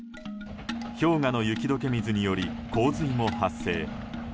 氷河の雪解け水により洪水も発生。